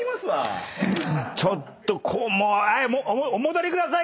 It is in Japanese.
ちょっともうお戻りください